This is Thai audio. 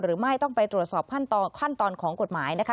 หรือไม่ต้องไปตรวจสอบขั้นตอนของกฎหมายนะคะ